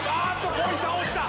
光一さん落ちた！